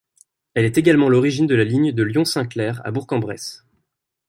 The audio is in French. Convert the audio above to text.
Elle est également l'origine de la ligne de Lyon-Saint-Clair à Bourg-en-Bresse.